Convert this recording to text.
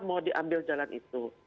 mau diambil jalan itu